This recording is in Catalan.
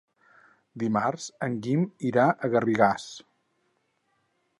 Dimarts en Guim irà a Garrigàs.